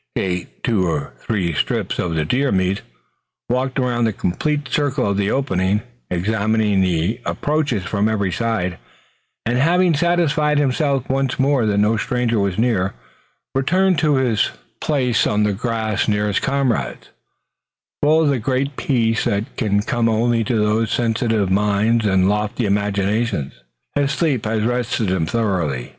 He ate two or three strips of the deer meat, walked around the complete circle of the opening, examining the approaches from every side, and having satisfied himself once more that no stranger was near, returned to his place on the grass near his comrades, full of the great peace that can come only to those of sensitive mind and lofty imagination. His sleep had rested him thoroughly.